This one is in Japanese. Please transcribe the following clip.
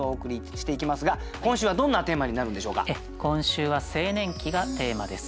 今週は「青年期」がテーマです。